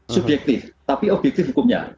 subjektif tapi objektif hukumnya